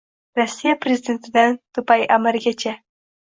Rossiya prezidentidan Dubay amirigacha